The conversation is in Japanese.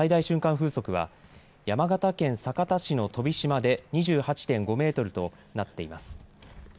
風速は山形県酒田市の飛島で２８．５メートルとなっています。